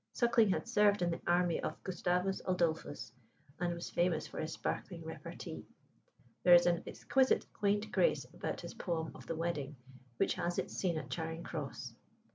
Suckling had served in the army of Gustavus Adolphus, and was famous for his sparkling repartee. There is an exquisite quaint grace about his poem of "The Wedding," which has its scene at Charing Cross.